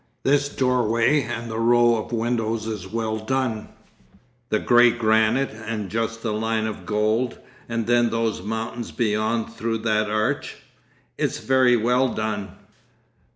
This doorway and the row of windows is well done; the gray granite and just the line of gold, and then those mountains beyond through that arch. It's very well done....